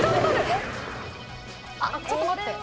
ちょっと待って。